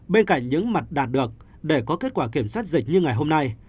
bên cạnh những mặt đạt được để có kết quả kiểm soát dịch như ngày hôm nay